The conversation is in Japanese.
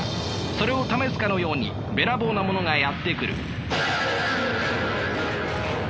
それを試すかのようにべらぼうなものがやって来る。